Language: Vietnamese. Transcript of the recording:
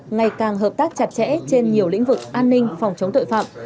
ngày càng hợp tác chặt chẽ trên nhiều lĩnh vực an ninh phòng chống tội phạm